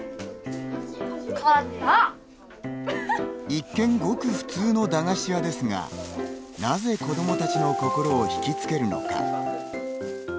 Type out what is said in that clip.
一見ごく普通の駄菓子屋ですがなぜ子どもたちの心を引きつけるのか。